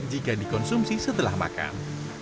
jika dikonsumsi setelah makan